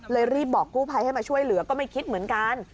รีบบอกกู้ภัยให้มาช่วยเหลือก็ไม่คิดเหมือนกัน